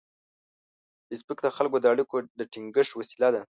فېسبوک د خلکو د اړیکو د ټینګښت وسیله ده